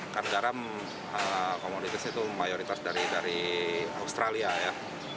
karena garam komoditasnya itu mayoritas dari australia ya